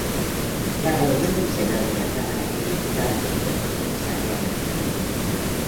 La reunión del Senado y la Cámara de Diputados se denomina Asamblea Nacional.